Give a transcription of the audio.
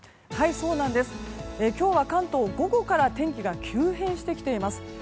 今日は関東、午後から天気が急変してきています。